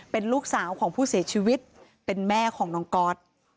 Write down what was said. เป็นลูกสาวของผู้เสียชีวิตเป็นแม่ของน้องก๊อต